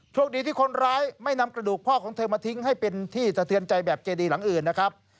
โชคดีที่คนร้ายไม่นำกระดูกพ่อของเธอมาทิ้งให้เป็นที่สะเทือนใจแบบเจดีหลังอื่นนะครับ